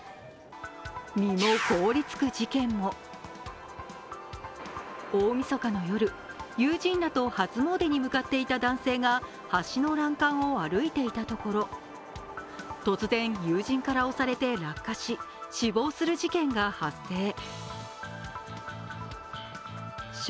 身も凍り付く事件も大みそかの夜、友人らと初詣に向かっていた男性が橋の欄干を歩いていたところ、突然、友人から押されて落下し、死亡する事件が発生。